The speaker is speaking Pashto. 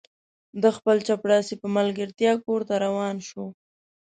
د خپل چپړاسي په ملګرتیا کور ته روان شو.